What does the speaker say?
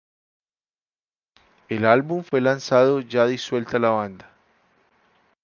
El álbum fue lanzado ya disuelta la banda.